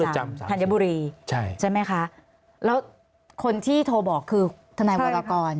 ใช่ไหมคะแล้วคนที่โทรบอกคือธนายวัตกร